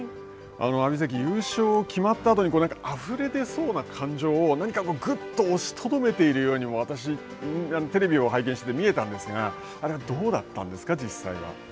阿炎関、優勝が決まったあとに、あふれ出そうな感情を何かこう、ぐっと押しとどめているようにも、私、テレビを拝見していて思ったんですが、あれはどうだったんですか、実際は。